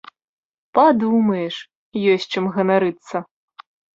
Падумаеш, ёсць чым ганарыцца!